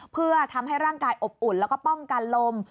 เพื่อทำให้ร่างกายอบอุ่นแล้วก็ป้องกันลม